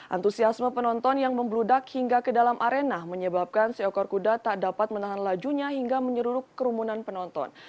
antusiasme penonton yang membludak hingga ke dalam arena menyebabkan seekor kuda tak dapat menahan lajunya hingga menyeruruk kerumunan penonton